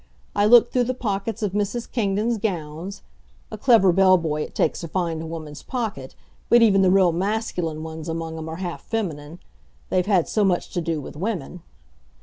I looked through the pockets of Mrs. Kingdon's gowns a clever bell boy it takes to find a woman's pocket, but even the real masculine ones among 'em are half feminine; they've had so much to do with women.